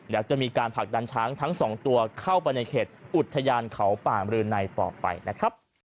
เดี๋ยวจะมีการผลักดันช้างทั้งสองตัวเข้าไปในเขตอุทยานเขาป่ามรือในต่อไปนะครับ